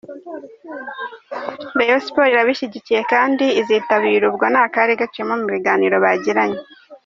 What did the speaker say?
Rayon Sports irabishyigikiye kandi izitabira ubwo ni akari kaciyemo mu biganiro bagiranye.